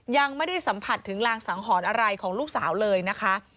ยังไม่ได้สัมผัสถึงรางสังหรณ์อะไรของลูกสาวเลยนะคะ